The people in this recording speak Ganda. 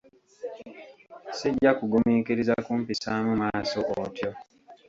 Sijja kugumiikiriza kumpisaamu maaso otyo.